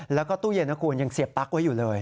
แล้วก็ตู้เย็นอย่างเสียบปั๊กไว้อยู่เลย